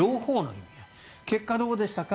結果、どうでしたか？